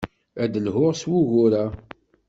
Ad d-lhuɣ s wugur-a.